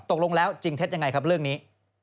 ตกลงแล้วจริงเท็จยังไงครับเรื่องนี้